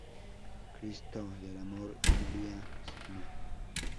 Cristo del Amor y María Stma.